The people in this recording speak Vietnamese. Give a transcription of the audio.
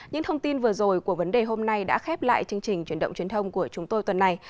những thông tin vừa rồi của vấn đề hôm nay đã khép lại chương trình truyền động truyền thông của chúng tôi tuần này